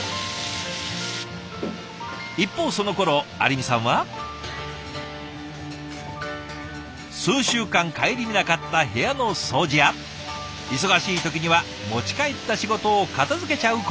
一方そのころ有美さんは。数週間顧みなかった部屋の掃除や忙しい時には持ち帰った仕事を片づけちゃうことも。